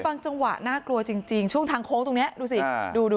จังหวะน่ากลัวจริงช่วงทางโค้งตรงนี้ดูสิดู